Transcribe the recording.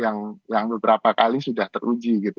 yang paling ampuh yang beberapa kali sudah teruji gitu